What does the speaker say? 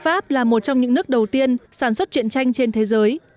pháp là một trong những nước đầu tiên sản xuất chuyện tranh trên thế giới